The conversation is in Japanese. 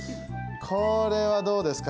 これはどうですか？